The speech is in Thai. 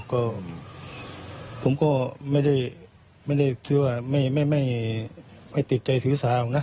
ก็ผมก็ไม่ได้คิดว่าไม่ติดใจถือสาหรอกนะ